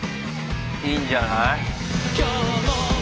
いいんじゃない。